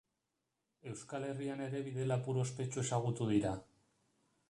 Euskal Herrian ere bidelapur ospetsu ezagutu dira.